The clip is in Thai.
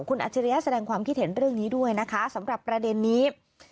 คุณอัจฉริยะแสดงความคิดเห็นเรื่องนี้ด้วยนะคะสำหรับประเด็นนี้